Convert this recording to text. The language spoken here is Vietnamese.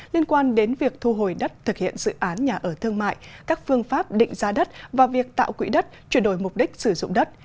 liên quan đến việc thu hồi đất thực hiện dự án nhà ở thương mại các phương pháp định giá đất và việc tạo quỹ đất chuyển đổi mục đích sử dụng đất